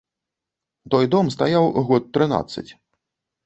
Той дом стаяў год трынаццаць.